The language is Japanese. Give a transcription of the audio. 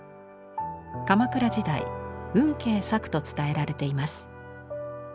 鎌倉時代運慶作と伝えられています。